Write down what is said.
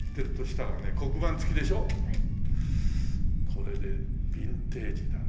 これでビンテージだな。